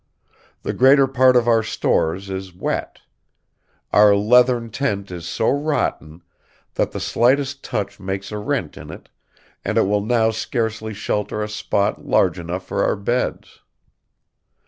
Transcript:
The greater part of our stores is wet; our leathern tent is so rotten that the slightest touch makes a rent in it, and it will now scarcely shelter a spot large enough for our beds.